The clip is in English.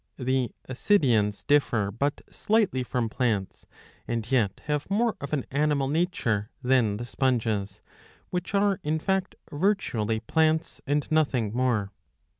^^ The Ascidians differ but slightly from plants and yet have more of an animal nature than the Sponges, which are in 681a. ■, 104 IV. 5 fact virtually plants and nothing more.